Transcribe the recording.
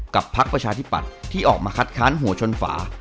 พักประชาธิปัตย์ที่ออกมาคัดค้านหัวชนฝา